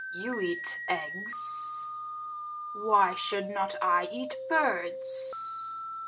"You eat eggs. Why should not I eat birds?"